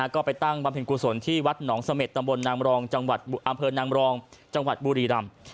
ก็ไปตั้งบำพิงกุศลที่วัดหนองสะเม็ดตำบลนางมรองอำเภอนางมรองจังหวัดบุรีรัม